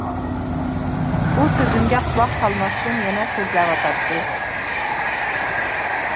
ئۇ سۆزۈمگە قۇلاق سالماستىن يەنە سۆزلەۋاتاتتى.